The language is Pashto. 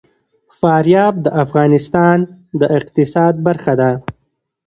فاریاب د افغانستان د اقتصاد برخه ده.